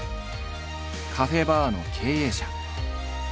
カフェバーの経営者。